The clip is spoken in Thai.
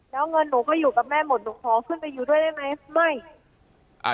แล้วเงินหนูก็อยู่กับแม่หมดหนูขอขึ้นไปอยู่ด้วยได้ไหมไม่อ่า